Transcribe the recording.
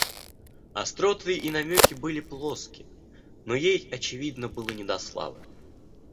Остроты и намеки были плоски, но ей, очевидно, было не до славы.